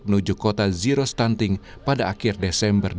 menuju kota zero stunting pada akhir desember dua ribu dua puluh